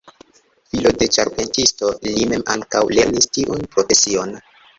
Filo de ĉarpentisto, li mem ankaŭ lernis tiun profesion.